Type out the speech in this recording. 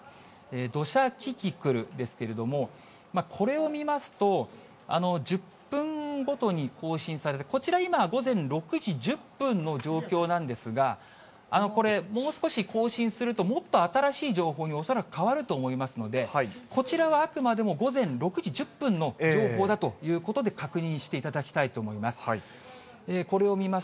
土砂キキクルですけれども、これを見ますと、１０分ごとに更新されて、こちら今、午前６時１０分の状況なんですが、これ、もう少し更新するともっと新しい情報に恐らく変わると思いますので、こちらはあくまでも午前６時１０分の情報だということで確認していただきたいと思います。